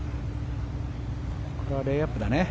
これはレイアップだね。